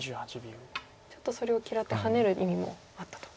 ちょっとそれを嫌ってハネる意味もあったと。